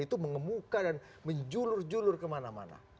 itu mengemuka dan menjulur julur kemana mana